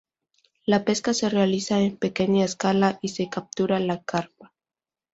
La pesca se realiza en pequeña escala y se captura la carpa.